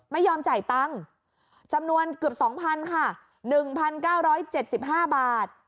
ไม่ยอมจ่ายตังค์จำนวนเกือบสองพันค่ะหนึ่งพันเก้าร้อยเจ็ดสิบห้าบาท